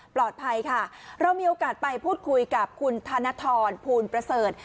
ปลอดภัยค่ะเรามีโอกาสไปพูดคุยกับคุณธนทรภูลประเสริฐ